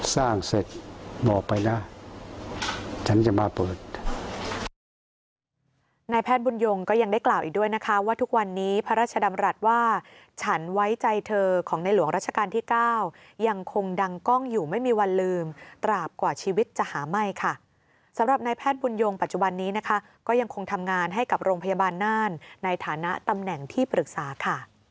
เสร็จบอกไปนะฉันจะมาเปิด